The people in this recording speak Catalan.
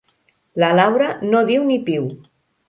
La Laura no diu ni piu.